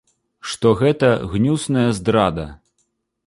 Што гэта гнюсная здрада.